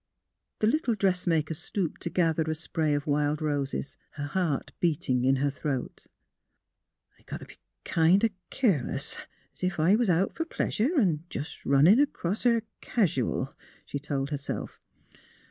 The lit tle dressmaker stooped to gather a spray of wild roses, her heart beating in her throat. '' I got to be kind o' keerless, es if I was out fer pleasure 'n' jes' run acrost her casual," she told herself.